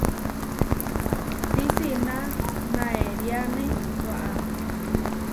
Tisína naériane waʼá.